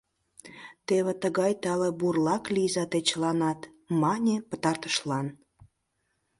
— Теве тыгай тале бурлак лийза те чыланат! — мане пытартышлан.